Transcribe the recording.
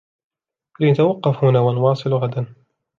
لنتوقف هنا و نواصل غدا.